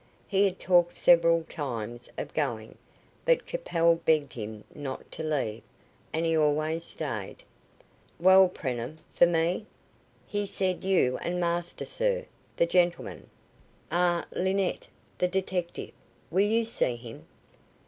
He had talked several times of going, but Capel begged him not to leave, and he always stayed. "Well, Preenham, for me?" "He said you and master, sir the gentleman." "Ah! Linnett. The detective. Will you see him?"